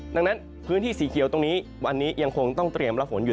ดังนั้นพื้นที่สีเขียวตรงนี้วันนี้ยังคงต้องเตรียมรับฝนอยู่